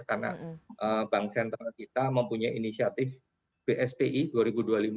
karena bank sentral kita mempunyai inisiatif bspi dua ribu dua puluh lima